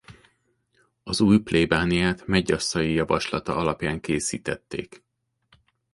Az új plébániát Medgyaszay javaslata alapján készítették.